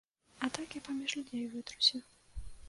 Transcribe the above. А так я паміж людзей вытруся.